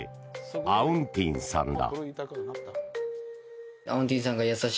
アウンティンさんだ。